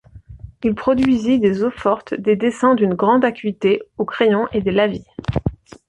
Il produisit des eaux-fortes, des dessins d'une grande acuité aux crayons et des lavis.